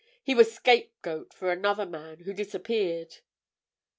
He was scapegoat for another man who disappeared."